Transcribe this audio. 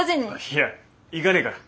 いや行かねえから。